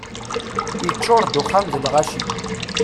Yeččur-d uxxam d lɣaci.